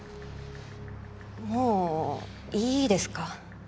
もういいですか？